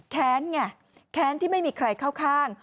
แค้นไงแค้นที่ไม่มีใครเข้าข้าง